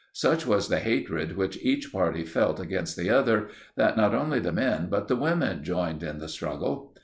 Such was the hatred which each party felt against the other, that not only the men but the women joined in the struggle.